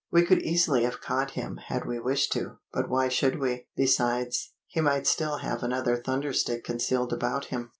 We could easily have caught him had we wished to, but why should we? Besides, he might still have another thunder stick concealed about him.